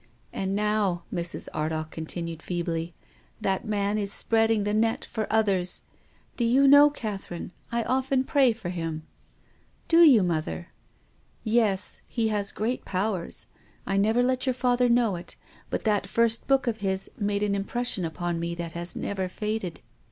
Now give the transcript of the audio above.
" And now," Mrs. Ardagh continued feebly, "that man is spreading the net for others. Do you know, Catherine, I often pray for him ?"" Do you, mother ?" "Yes. He has great powers. I never let your father know it, but that first book of his made an impression upon me that has never faded.